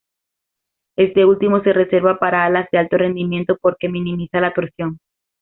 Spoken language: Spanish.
Este último se reserva para alas de alto rendimiento porque minimiza la torsión.